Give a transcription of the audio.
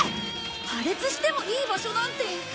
破裂してもいい場所なんて。